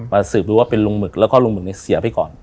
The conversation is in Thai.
สืบรู้ว่าเป็นลุงหมึกแล้วก็ลุงหมึกเนี่ยเสียไปก่อน